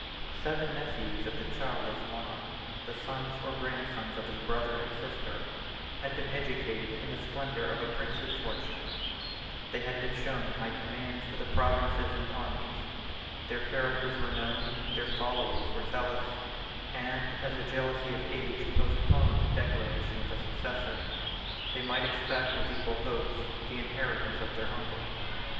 Seven nephews 1 of the childless monarch, the sons or grandsons of his brother and sister, had been educated in the splendor of a princely fortune; they had been shown in high commands to the provinces and armies; their characters were known, their followers were zealous, and, as the jealousy of age postponed the declaration of a successor, they might expect with equal hopes the inheritance of their uncle.